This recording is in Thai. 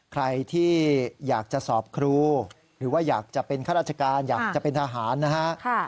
ใครที่อยากจะสอบครูหรือว่าอยากจะเป็นข้าราชการอยากจะเป็นทหารนะฮะ